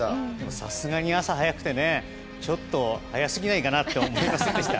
さすがに朝早くてねちょっと、早すぎないかなって思いませんでした？